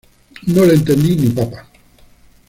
No le entendí ni papa